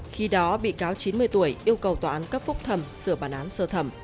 khi đó bị cáo chín mươi tuổi yêu cầu tòa án cấp phúc thẩm sửa bản án sơ thẩm